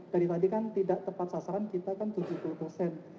dari tadi kan tidak tepat sasaran kita kan tujuh puluh persen